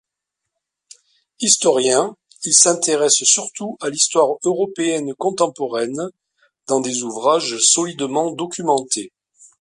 Historien, il s'intéresse surtout à l'histoire européenne contemporaine dans des ouvrages solidement documentés.